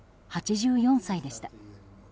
８４歳でした。